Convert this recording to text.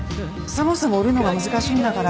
そもそも売るのが難しいんだから。